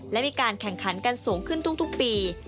และมีการแข่งขันกันสูงขึ้นทุกปี